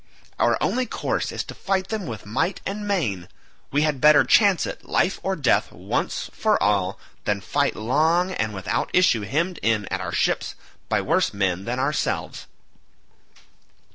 Our only course is to fight them with might and main; we had better chance it, life or death, once for all, than fight long and without issue hemmed in at our ships by worse men than ourselves."